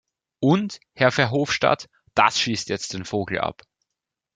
Und, Herr Verhofstadt, das schießt jetzt den Vogel ab.